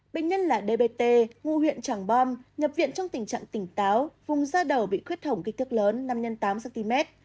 bệnh nhân là dbt ngụ huyện tràng bom nhập viện trong tình trạng tỉnh táo vùng da đầu bị khuyết hỏng kích thước lớn năm x tám cm